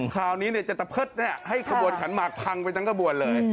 คราวนี้จะตะเพิดให้ขบวนขันหมากพังไปทั้งกระบวนเลย